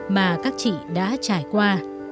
mà các chị đã trải qua